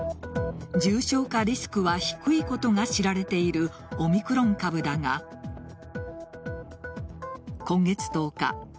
重症化リスクは低いことが知られているオミクロン株だが今月１０日